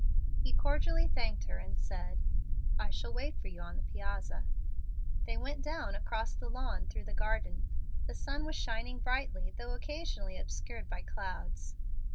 He cordially thanked her and said, "I shall wait for you on the piazza." They went down across the lawn through the garden. The sun was shining brightly, though occasionally obscured by clouds.